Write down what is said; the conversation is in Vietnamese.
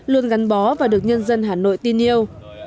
luôn gắn bó và được nhân dân hà nội tin yêu